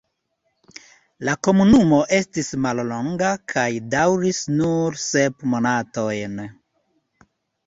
La komunumo estis mallonga kaj daŭris nur sep monatojn.